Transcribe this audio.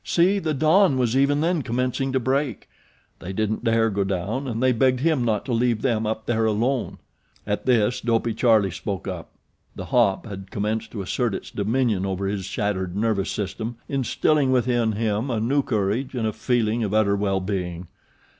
See! the dawn was even then commencing to break. They didn't dare go down and they begged him not to leave them up there alone. At this Dopey Charlie spoke up. The 'hop' had commenced to assert its dominion over his shattered nervous system instilling within him a new courage and a feeling of utter well being.